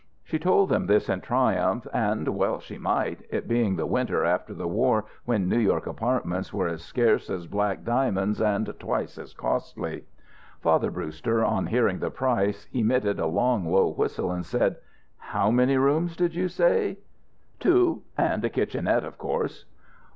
She told them this in triumph and well she might, it being the winter after the war when New York apartments were as scarce as black diamonds and twice as costly. Father Brewster, on hearing the price, emitted a long low whistle and said: "How many rooms did you say?" Two and a kitchenette, of course."